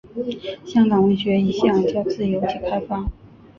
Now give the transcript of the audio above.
香港文学一向较自由及开放。